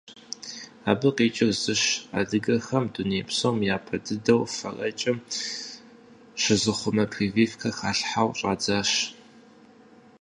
Абы къикӏыр зыщ: адыгэхэм дуней псом япэ дыдэу фэрэкӏым щызыхъумэ прививкэ халъхьэу щӏадзащ.